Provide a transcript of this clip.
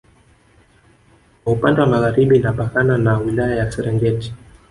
Kwa upande wa Magharibi inapakana na wilaya ya serengeti